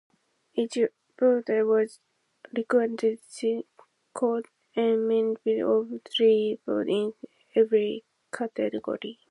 Each voter was required to cast a minimum of three votes in every category.